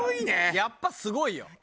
やっぱすごいよ。